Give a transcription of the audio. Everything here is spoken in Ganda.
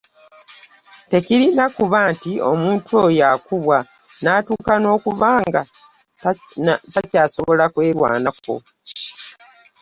Tekirina kuba nti omuntu oyo akubwa natuuka n’okuba nga takyasobola kwerwanako.